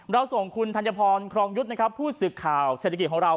เราส่งคุณธัญพรครองยุทธ์นะครับผู้สื่อข่าวเศรษฐกิจของเรา